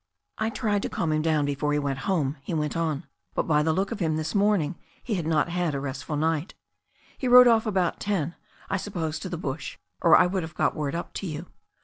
"I tried to calm him down before he went home," he went on, "but by the look of him this morning he had not had a restful night He rode off about ten, I supposed to the bush, or I would have got word up to you.